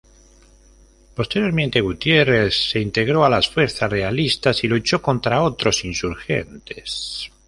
Posteriormente Gutierrez se integró a las fuerzas realistas y luchó contra otros insurgentes.